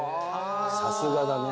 さすがだね。